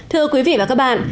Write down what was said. thưa quý vị và các bạn